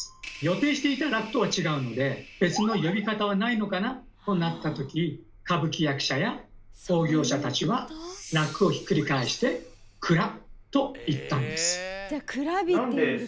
予定していた楽とは違うので別の呼び方はないのかなとなったとき歌舞伎役者や興行者たちは「らく」をひっくり返して「くら」と言ったんです。